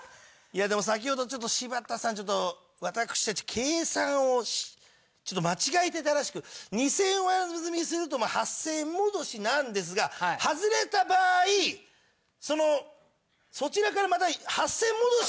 いやでも先ほど柴田さんちょっと私たち計算をちょっと間違えてたらしく２０００円上積みすると８０００円戻しなんですが外れた場合そのそちらからまた８０００円戻しという。